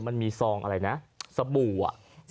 มันมีซองอะไรนะสบู่อะ